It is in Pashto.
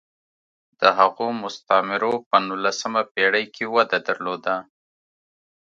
د هغو مستعمرو په نولسمه پېړۍ کې وده درلوده.